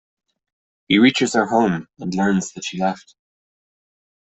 He reaches her home, and learns that she left.